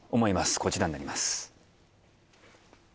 こちらになります